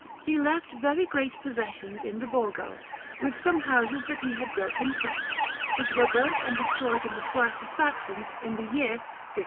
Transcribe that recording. He left very great possessions in the Borgo, with some houses that he had built himself, which were burnt and destroyed in the strife of factions in the year 1536.